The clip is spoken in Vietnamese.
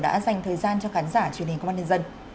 đã dành thời gian cho khán giả truyền hình công an nhân dân